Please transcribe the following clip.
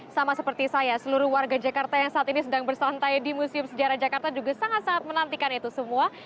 sama seperti saya seluruh warga jakarta yang saat ini sedang bersantai di museum sejarah jakarta juga sangat sangat menantikan itu semua